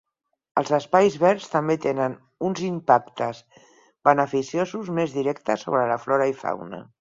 Els espais verds també tenen uns impactes beneficiosos més directes sobre la flora i fauna.